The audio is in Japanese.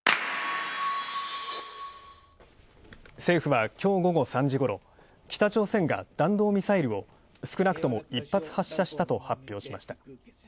政府はきょう午後３時ごろ、北朝鮮が弾道ミサイルを少なくとも１発発射したと発表しました。